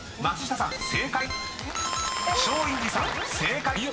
［松陰寺さん正解！］